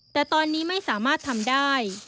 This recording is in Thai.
แต่ตอนนี้ไม่สามารถทำได้